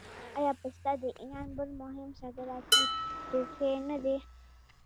آیا پسته د ایران بل مهم صادراتي توکی نه دی؟